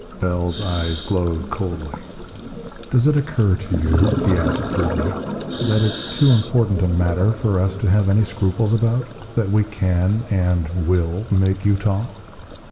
Bell's eyes glowed coldly. "Does it occur to you," he asked grimly, "that it's too important a matter for us to have any scruples about? That we can and will make you talk?"